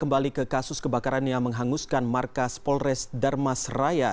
kembali ke kasus kebakaran yang menghanguskan markas polres darmas raya